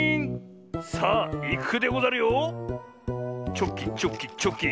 チョキチョキチョキ。